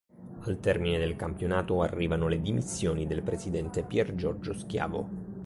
Al termine del campionato arrivano le dimissioni del presidente Piergiorgio Schiavo.